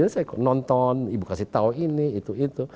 saya nonton ibu kasih tau ini itu itu